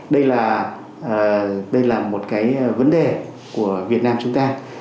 đây là một cái vấn đề của việt nam chúng ta